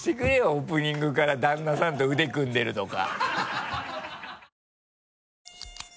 オープニングから旦那さんと腕組んでるとか。